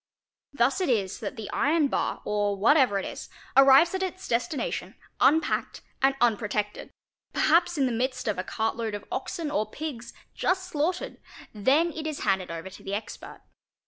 Thus it is that the iron bar, or whatever it is, arrives at its destination unpacked and unprotected, perhaps in the midst of a cartload of oxen or pigs, just slaughtered; then it is handed over to the expert.